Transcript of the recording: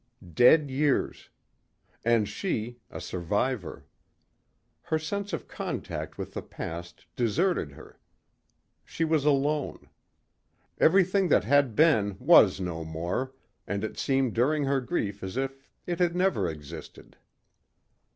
Dead years. And she, a survivor. Her sense of contact with the past deserted her. She was alone. Everything that had been was no more and it seemed during her grief as if it had never existed.